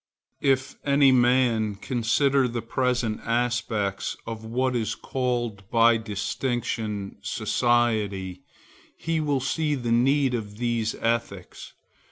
If any man consider the present aspects of what is called by distinction society, he will see the need of these ethics.